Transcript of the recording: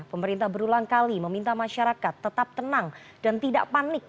pemerintah berulang kali meminta masyarakat tetap tenang dan tidak panik